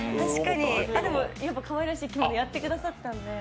でもかわいらしい着物やってくださったんで。